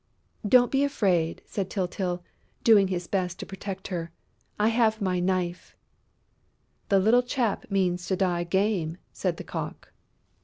"Don't be afraid," said Tyltyl, doing his best to protect her. "I have my knife." "The little chap means to die game!" said the Cock.